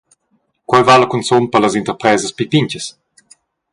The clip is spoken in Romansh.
Quei vala cunzun per las interpresas pli pintgas.